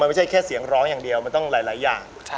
ไม่ใช่แค่เสียงร้องอย่างเดียวมันต้องหลายอย่าง